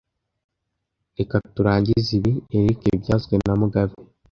Reka turangize ibi, Eric byavuzwe na mugabe